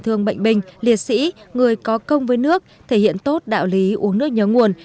thương bệnh binh liệt sĩ người có công với nước thể hiện tốt đạo lý uống nước nhớ nguồn